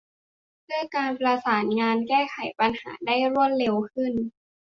เพื่อการประสานงานแก้ปัญหาได้รวดเร็วขึ้น